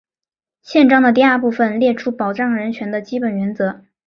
宪章的第二部分列出保障人权的基本原则。